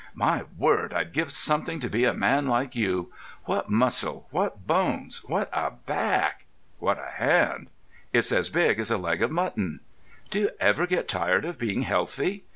"My word, I'd give something to be a man like you. What muscle, what bones, what a back! What a hand! It's as big as a leg of mutton. Do you ever get tired of being healthy?